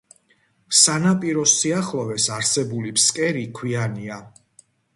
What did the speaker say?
სანაპიროს სიახლოვეს არსებული ფსკერი ქვიანია.